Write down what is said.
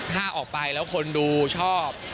ถ้าออกไปแล้วคนดูชอบ